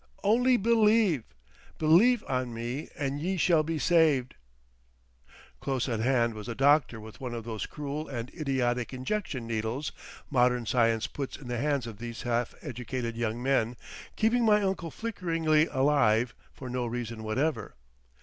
"Only Believe! 'Believe on me, and ye shall be saved'!" Close at hand was the doctor with one of those cruel and idiotic injection needles modern science puts in the hands of these half educated young men, keeping my uncle flickeringly alive for no reason whatever.